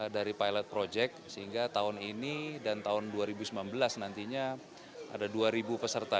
dari pilot project sehingga tahun ini dan tahun dua ribu sembilan belas nantinya ada dua peserta